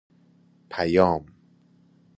پیام